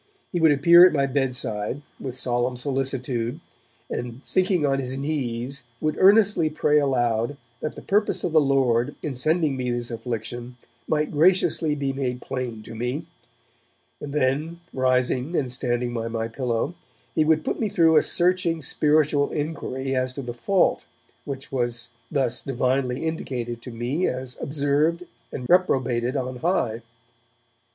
He would appear at my bedside, with solemn solicitude, and sinking on his knees would earnestly pray aloud that the purpose of the Lord in sending me this affliction might graciously be made plain to me; and then, rising, and standing by my pillow, he would put me through a searching spiritual inquiry as to the fault which was thus divinely indicated to me as observed and reprobated on high.